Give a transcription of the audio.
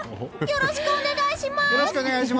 よろしくお願いします！